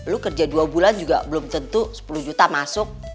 lu kerja dua bulan juga belum tentu sepuluh juta masuk